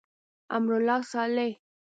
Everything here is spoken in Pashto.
امرالله صالح.